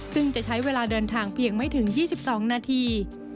ซึ่งจะใช้เวลาเดินทางเพียงไม่ถึง๒๒นาที